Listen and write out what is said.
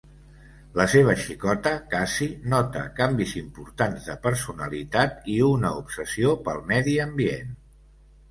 La seva xicota Cassy nota canvis importants de personalitat i una obsessió pel medi ambient.